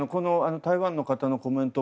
台湾の方のコメント